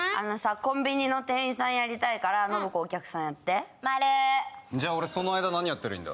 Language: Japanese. コンビニの店員さんやりたいから信子お客さんやってマルじゃあ俺その間何やってりゃいいんだ？